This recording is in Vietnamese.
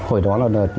ông tiến đau đớn